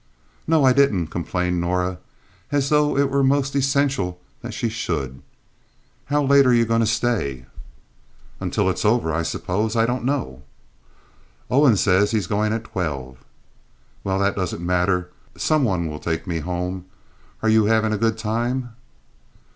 "No, I didn't," complained Norah, as though it were most essential that she should. "How late are you going to stay?" "Until it's over, I suppose. I don't know." "Owen says he's going at twelve." "Well, that doesn't matter. Some one will take me home. Are you having a good time?"